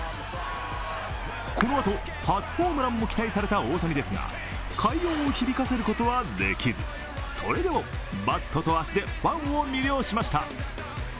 このあと初ホームランも期待された大谷ですが、快音を響かせることはできず、それでもバットと足でファンを魅了しました。